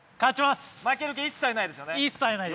負ける気一切ないですよね？